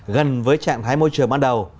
gần với trạng thái môi trường ban đầu